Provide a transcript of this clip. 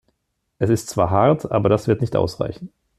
Es ist zwar hart, aber das wird nicht ausreichen.